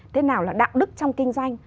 thế nào là đạo đức trong kinh doanh